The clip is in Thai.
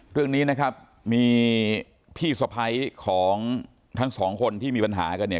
เรื่องนี้นะครับมีพี่สะพ้ายของทั้งสองคนที่มีปัญหากันเนี่ย